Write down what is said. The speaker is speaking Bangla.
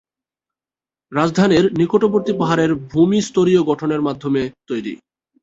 রাজধানীর নিকটবর্তী পাহাড়ের ভূমি স্তরীয় গঠনের মাধ্যমে তৈরি।